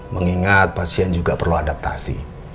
mengingat pasien juga perlu adaptasi